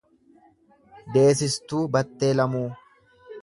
Deesistuu Battee Lamuu